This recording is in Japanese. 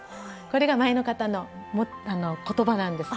これが前の方の言葉なんです。